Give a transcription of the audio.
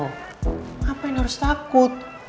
ngapain harus takut